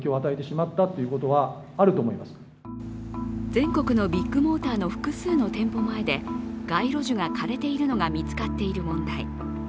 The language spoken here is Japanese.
全国のビッグモーターの複数の店舗前で街路樹が枯れているのが見つかっている問題。